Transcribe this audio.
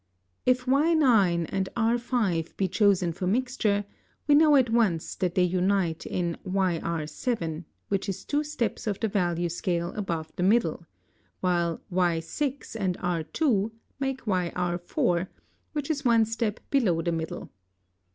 (71) If Y9 and R5 be chosen for mixture, we know at once that they unite in YR7, which is two steps of the value scale above the middle; while Y6 and R2 make YR4, which is one step below the middle.